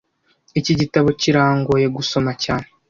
Iki gitabo kirangoye gusoma cyane